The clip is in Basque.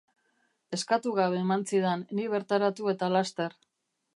Eskatu gabe eman zidan, ni bertaratu eta laster.